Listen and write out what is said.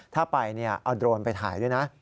ถ้าไปเอาโดรนไปถ่ายด้วยนะ